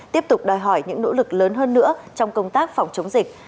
tiếp tục đòi hỏi những nỗ lực lớn hơn nữa trong công tác phòng chống dịch